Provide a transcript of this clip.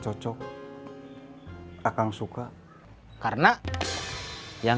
seseorang masukin di tim yang gue nyeri yaku